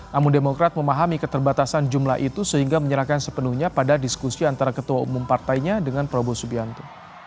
namun demokrat memahami keterbatasan jumlah itu sehingga menyerahkan sepenuhnya pada diskusi antara ketua umum partainya dengan prabowo subianto